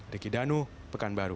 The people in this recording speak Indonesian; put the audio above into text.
deki danu pekanbaru